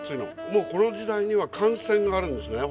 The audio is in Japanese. もうこの時代には幹線があるんですね